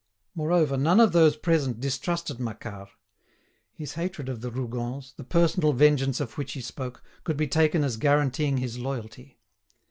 Moreover, none of those present distrusted Macquart. His hatred of the Rougons, the personal vengeance of which he spoke, could be taken as guaranteeing his loyalty.